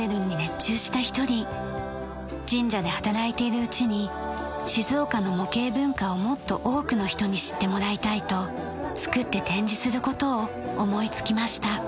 神社で働いているうちに静岡の模型文化をもっと多くの人に知ってもらいたいと作って展示する事を思いつきました。